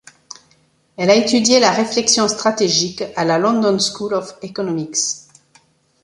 Elle a étudié la réflexion stratégique à la London School of Economics.